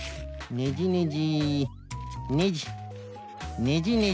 ねじねじ。